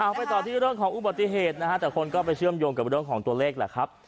ไปต่อที่เรื่องของอุบัติเหตุนะฮะแต่คนก็ไปเชื่อมโยงกับเรื่องของตัวเลขแหละครับ